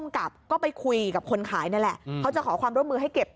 กับก็ไปคุยกับคนขายนั่นแหละเขาจะขอความร่วมมือให้เก็บ